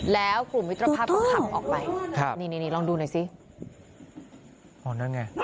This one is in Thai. แล้วกลุ่มมิตรภาพก็ขับออกไปครับนี่นี่ลองดูหน่อยสิอ๋อนั่นไง